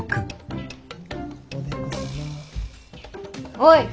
・おい！